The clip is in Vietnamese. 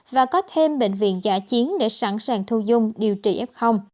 và có thêm bệnh viện giả chiến để sẵn sàng thu dung điều trị f